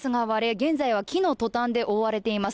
現在は木のトタンで覆われています。